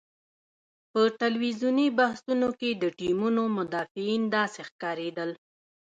په ټلویزیوني بحثونو کې د ټیمونو مدافعین داسې ښکارېدل.